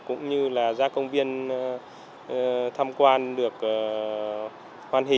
cũng như là ra công viên tham quan được hoan hình